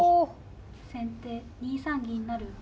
先手２三銀成。